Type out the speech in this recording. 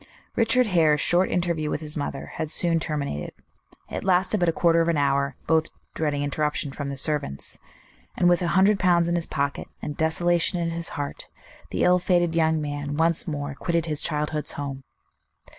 Richard Hare's short interview with his mother had soon terminated. It lasted but a quarter of an hour, both dreading interruptions from the servants; and with a hundred pounds in his pocket, and desolation in his heart, the ill fated young man once more quitted his childhood's home.